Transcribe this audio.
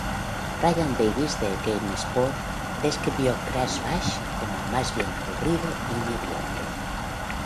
Ryan Davis de GameSpot describió Crash Bash como más bien aburrido y mediocre.